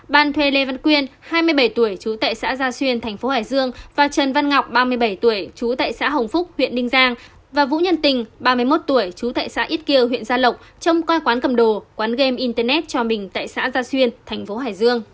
ban thuê lê văn quyên hai mươi bảy tuổi chú tại xã gia xuyên tp hải dương và trần văn ngọc ba mươi bảy tuổi chú tại xã hồng phúc huyện đinh giang và vũ nhân tình ba mươi một tuổi chú tại xã ít kiều huyện gia lộc trong coi quán cầm đồ quán game internet cho mình tại xã gia xuyên tp hải dương